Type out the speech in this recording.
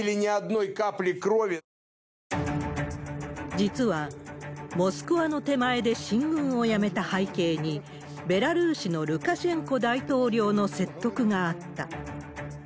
実は、モスクワの手前で進軍をやめた背景に、ベラルーシのルカシェンコ大統領の説得があった。